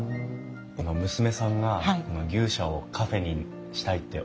娘さんが牛舎をカフェにしたいっておっしゃった時。